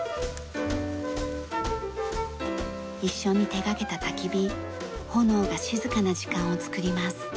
一緒に手がけたたき火炎が静かな時間をつくります。